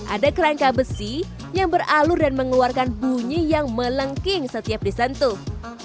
ada kerangka besi yang beralur dan mengeluarkan bunyi yang melengking setiap disentuh